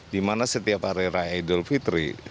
di mana setiap hari raya idul fitri